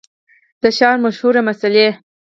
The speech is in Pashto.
د ښار مشهورې مسلۍ